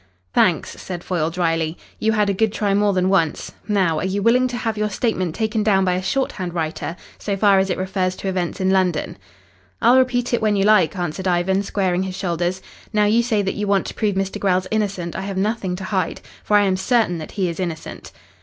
"Thanks," said Foyle drily. "You had a good try more than once. Now, are you willing to have your statement taken down by a shorthand writer so far as it refers to events in London?" "I'll repeat it when you like," answered Ivan, squaring his shoulders. "Now you say that you want to prove Mr. Grell's innocent I have nothing to hide. For I am certain that he is innocent."